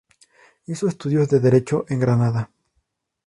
Hizo estudios de Derecho en Granada.